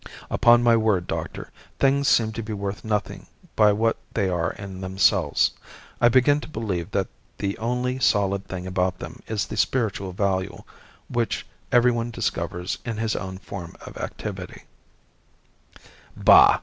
Upon my word, doctor, things seem to be worth nothing by what they are in themselves. I begin to believe that the only solid thing about them is the spiritual value which everyone discovers in his own form of activity " "Bah!"